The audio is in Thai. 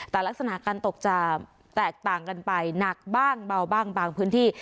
แต่ลักษณะการตกจะแตกต่างกันไปหนักบ้างเบาบ้างบางพื้นที่